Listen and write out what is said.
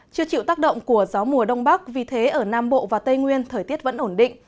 chưa chịu tác động của gió mùa đông bắc vì thế ở nam bộ và tây nguyên thời tiết vẫn ổn định